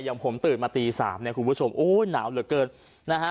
อย่างผมตื่นมาตีสามเนี่ยคุณผู้ชมโอ้ยหนาวเหลือเกินนะฮะ